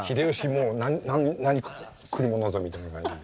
もう何来るものぞみたいな感じ。